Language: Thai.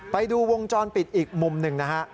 ไปดูวงจรปิดอีกมุมหนึ่งนะฮะ